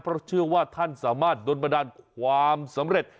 เพราะเชื่อว่าท่านสามารถโดนบันดาลความสำเร็จ